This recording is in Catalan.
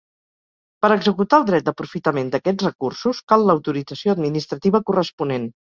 Per executar el dret d'aprofitament d'aquests recursos cal l'autorització administrativa corresponent.